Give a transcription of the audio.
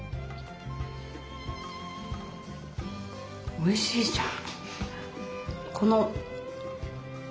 おいしいじゃん！